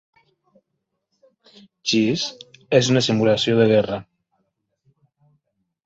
Chess és una simulació de guerra.